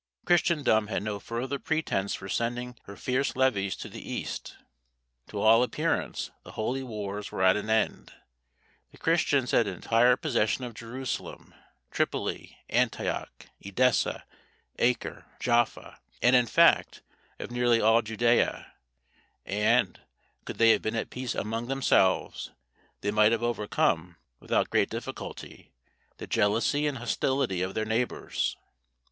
Christendom had no further pretence for sending her fierce levies to the East. To all appearance the holy wars were at an end: the Christians had entire possession of Jerusalem, Tripoli, Antioch, Edessa, Acre, Jaffa, and, in fact, of nearly all Judea; and, could they have been at peace among themselves, they might have overcome, without great difficulty, the jealousy and hostility of their neighbours.